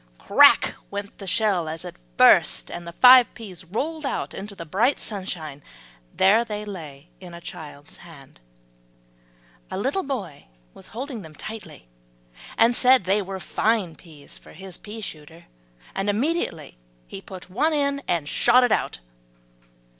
"Crack" went the shell as it burst, and the five peas rolled out into the bright sunshine. There they lay in a child's hand. A little boy was holding them tightly, and said they were fine peas for his pea shooter. And immediately he put one in and shot it out.